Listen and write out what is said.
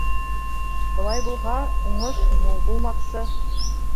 Былай булһа, уңыш мул булмаҡсы.